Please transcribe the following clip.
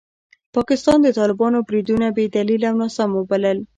پاکستان د طالبانو بریدونه بې دلیله او ناسم وبلل.